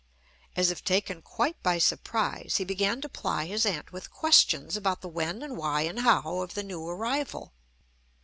As if taken quite by surprise, he began to ply his aunt with questions about the when and why and how of the new arrival.